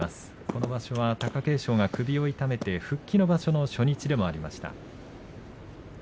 この場所は貴景勝が首を痛めて復帰の場所の初日でもありました。